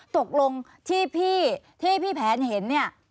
ตกลงที่พี่แผนเห็น